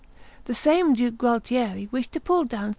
The same Duke Gualtieri wished to pull down S.